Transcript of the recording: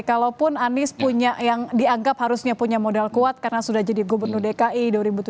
kalaupun anies punya yang dianggap harusnya punya modal kuat karena sudah jadi gubernur dki dua ribu tujuh belas